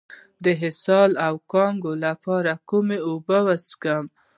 د اسهال او کانګو لپاره کومې اوبه وڅښم؟